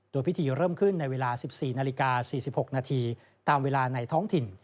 โดยพิธีเริ่มขึ้นในเวลา๑๔นาฬิกา๔๖นาทีตามเวลาในท้องถิ่น